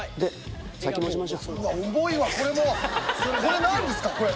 重いわこれもうこれ何ですかこれ。